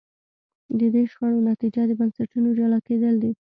د دې شخړو نتیجه د بنسټونو جلا کېدل دي.